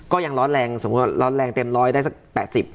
ก็ยังร้อนแรงสมมุติร้อนแรงเต็มร้อยได้สัก๘๐